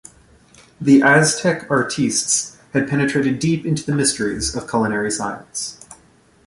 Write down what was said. The Aztec artistes had penetrated deep into the mysteries of culinary science.